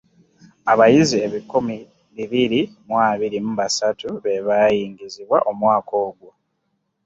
Abayizi ebikumi bibiri mu abiri mu basatu be baayingizibwa omwaka ogwo.